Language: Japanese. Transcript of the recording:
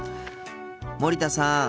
森田さん。